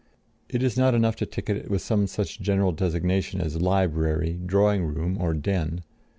It is not enough to ticket it with some such general designation as "library," "drawing room," or "den."